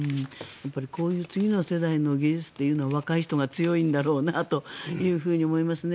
こういう次の世代の技術というのは若い人が強いんだろうなと思いますね。